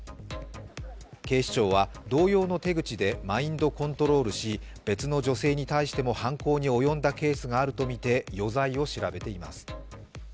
警視庁は同様の手口でマインドコントロールし別の女性に対しても犯行に及んだケースがあるとみて余罪を調べています。